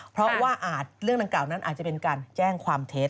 เพราะว่าอาจเรื่องดังกล่านั้นอาจจะเป็นการแจ้งความเท็จ